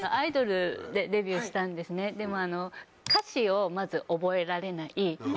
でも。